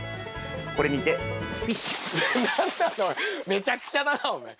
めちゃくちゃだなお前。